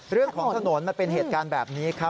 เรื่องของถนนมันเป็นเหตุการณ์แบบนี้ครับ